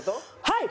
はい！